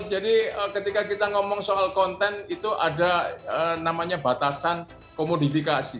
jadi ketika kita ngomong soal konten itu ada namanya batasan komunifikasi